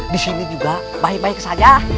disini juga baik baik saja